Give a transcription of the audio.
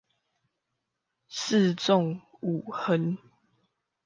四縱五橫